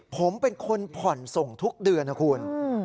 ผมเป็นคนผ่อนส่งทุกเดือนนะคุณ